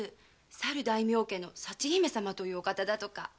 さる大名家の佐知姫様というお方だとか。